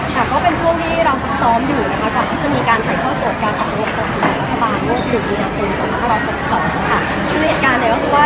อย่างก็เป็นช่วงที่เราซื้อซ้อมอยู่นะครับกลางจะมีการถ่ายข้อสดการตัวเพื่อเพรียบทะบานะครับ